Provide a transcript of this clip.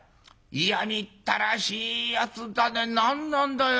嫌みったらしいやつだね何なんだよあいつは。